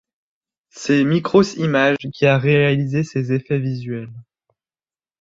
C'est Mikros Image qui a réalisé ces effets visuels.